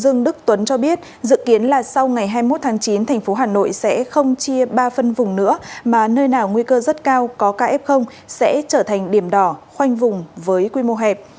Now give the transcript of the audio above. dương đức tuấn cho biết dự kiến là sau ngày hai mươi một tháng chín thành phố hà nội sẽ không chia ba phân vùng nữa mà nơi nào nguy cơ rất cao có kf sẽ trở thành điểm đỏ khoanh vùng với quy mô hẹp